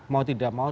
mau tidak mau